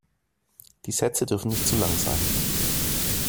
Die Sätze dürfen nicht zu lang sein.